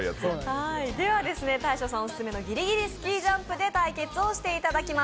では大昇さんオススメの「ぎりぎりスキージャンプ」で対決していただきます。